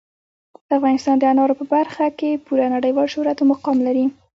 افغانستان د انارو په برخه کې پوره نړیوال شهرت او مقام لري.